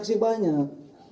kan saksi banyak